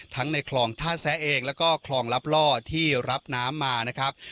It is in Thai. ในคลองท่าแซะเองแล้วก็คลองลับล่อที่รับน้ำมานะครับ